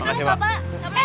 terima kasih banyak pak